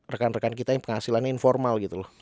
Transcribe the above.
rekan rekan kita yang penghasilannya informal gitu loh